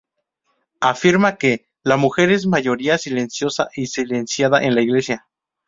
Afirma que:""La mujer es mayoría silenciosa y silenciada en la Iglesia.